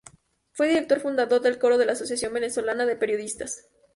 Fue director fundador del coro de la Asociación Venezolana de Periodistas.